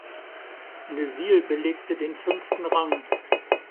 Neuville belegte den fünften Rang.